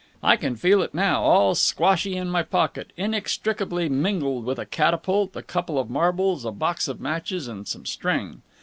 "I can feel it now all squashy in my pocket, inextricably mingled with a catapult, a couple of marbles, a box of matches, and some string.